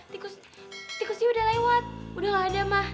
tikus tikusnya udah lewat udah gak ada mah